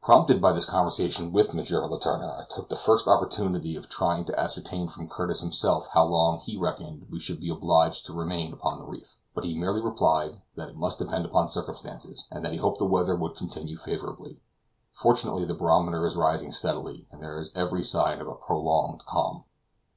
Prompted by this conversation with M. Letourneur I took the first opportunity of trying to ascertain from Curtis himself how long he reckoned we should be obliged to remain upon the reef; but he merely replied, that it must depend upon circumstances, and that he hoped the weather would continue favorable. Fortunately the barometer is rising steadily, and there is every sign of a prolonged calm.